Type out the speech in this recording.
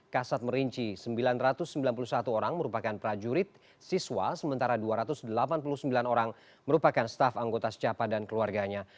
kasat merinci sembilan ratus sembilan puluh satu orang merupakan prajurit siswa sementara dua ratus delapan puluh sembilan orang merupakan staf anggota secapa dan keluarganya